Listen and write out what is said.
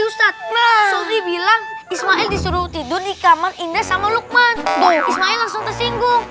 banget nah sopi bilang ismail disuruh tidur di kamar indah sama lukman ismail langsung tersinggung